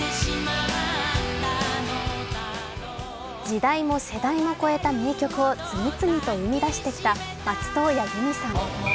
時代も世代も超えた名曲を次々と生み出してきた松任谷由実さん。